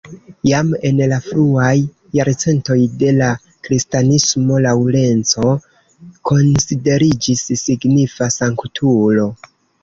Jam en la fruaj jarcentoj de la kristanismo Laŭrenco konsideriĝis signifa sanktulo.